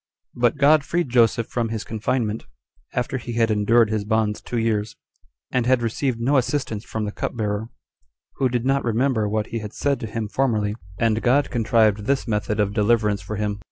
4. But God freed Joseph from his confinement, after he had endured his bonds two years, and had received no assistance from the cupbearer, who did not remember what he had said to him formerly; and God contrived this method of deliverance for him.